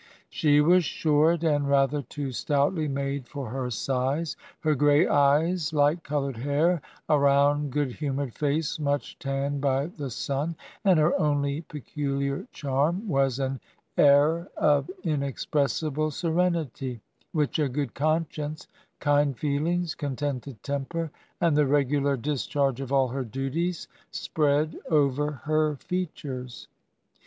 " She was short, and rather too stoutly made for her size, her gray eyes, light colored hair, a round, good humored face, much tanned by the sun; and her only peculiar charm was an air of inexpressible serenity, which a good conscience, kind feelings, contented temper and the regular dis charge of all her duties, spread over her features."